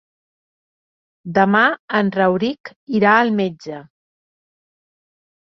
Demà en Rauric irà al metge.